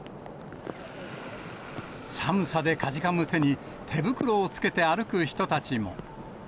寒さでかじかむ手に手袋をつけて歩く人たちも。